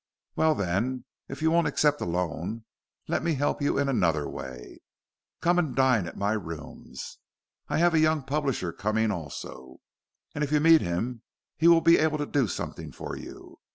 "Well, then, if you won't accept a loan, let me help you in another way. Come and dine at my rooms. I have a young publisher coming also, and if you meet him he will be able to do something for you.